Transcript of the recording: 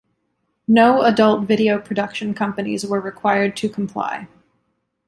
No adult video production companies were required to comply.